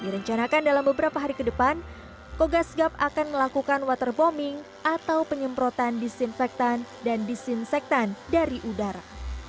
rencanakan dalam beberapa hari ke depan kogasgab akan melakukan water bombing atau penyemprotan disinfektan dan disinsektan dari udara